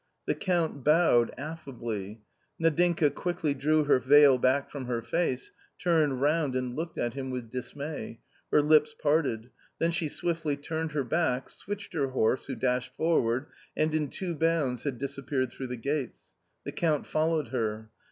The Count bowed affably. Nadinka quickly drew her veil back from her face, turned round and looked at him with dismay, her lips parted, then she swiftly turned her back, switched her horse, who dashed forward, and in two bounds had disappeared through the gates; the Count followed her.